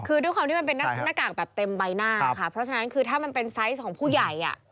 คือด้วยความที่มันเป็นน่ากากแบบเต็มใบหน้า